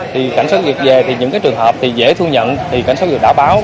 thì cảnh sát vực về thì những trường hợp dễ thu nhận thì cảnh sát vực đã báo